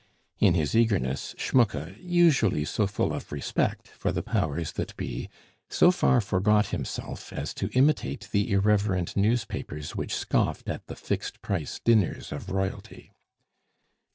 In his eagerness, Schmucke, usually so full of respect for the powers that be, so far forgot himself as to imitate the irreverent newspapers which scoffed at the "fixed price" dinners of Royalty.